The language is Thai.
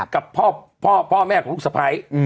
กับพ่อแม่ของลูกสะพ้าย